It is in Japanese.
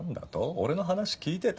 俺の話聞いてた？